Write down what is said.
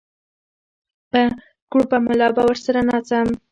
په کړوپه ملا به ورسره ناڅم